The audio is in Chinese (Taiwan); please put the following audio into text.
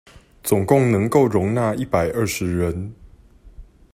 總共能夠容納一百二十人